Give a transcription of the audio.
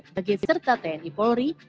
bagi serta tni polri